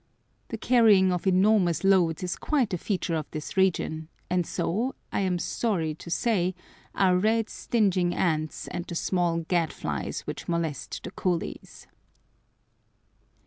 The carrying of enormous loads is quite a feature of this region, and so, I am sorry to say, are red stinging ants and the small gadflies which molest the coolies.